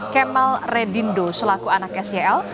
kemal redindo selaku anak sel